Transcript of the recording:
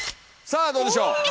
さあどうでしょう。